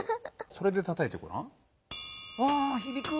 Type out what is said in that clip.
それでたたいてごらん。わひびく。